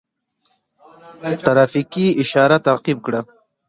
ترافیکي اشاره تعقیب کړه.